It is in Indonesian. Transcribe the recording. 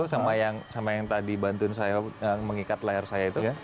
sama yang tadi bantuin saya mengikat layar saya itu